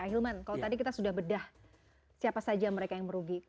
ahilman kalau tadi kita sudah bedah siapa saja mereka yang merugi